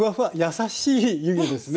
優しい湯気ですね。